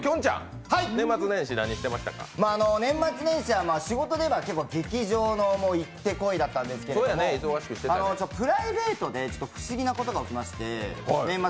年末年始は仕事では結構劇場の方、いってこいだったんですけど、プライベートで不思議なことが起きまして。